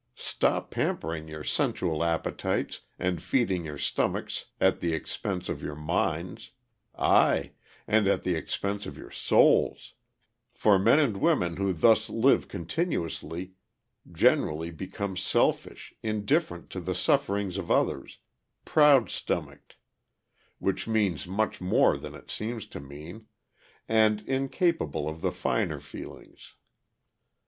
Stop pampering your sensual appetites and feeding your stomachs at the expense of your minds, aye, and at the expense of your souls, for men and women who thus live continuously, generally become selfish, indifferent to the sufferings of others, "proud stomached" which means much more than it seems to mean and incapable of the finer feelings.